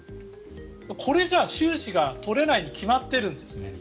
これじゃ収支が取れないに決まってるんですね。